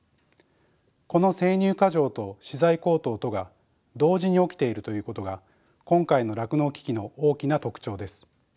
この生乳過剰と資材高騰とが同時に起きているということが今回の酪農危機の大きな特徴です。